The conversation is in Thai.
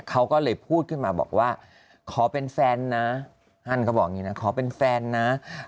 เขาก็เลยพูดขึ้นมาบอกว่าขอเป็นแฟนนะฮั่นเขาบอกอย่างนี้นะขอเป็นแฟนนะ